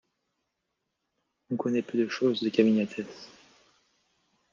On connaît peu de chose de Caminiatès.